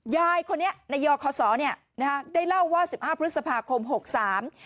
ยายคนนี้ในยอคอสอเนี่ยนะฮะได้เล่าว่าสิบห้าพฤษภาคมหกสาม